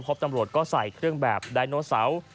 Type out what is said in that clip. ตำรวจก็ใส่เครื่องแบบไดโนเสาร์